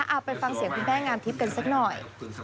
เอาไปฟังเสียงคุณแม่งามทิพย์กันสักหน่อย